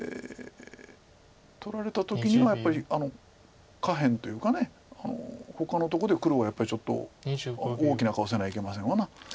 取られた時にはやっぱり下辺というかほかのとこで黒がやっぱりちょっと大きな顔せないけませんわな。